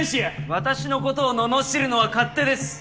私のことを罵るのは勝手です。